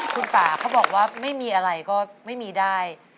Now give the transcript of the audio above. คุณป่าเขาบอกว่าไม่มีอะไรก็ไม่มีได้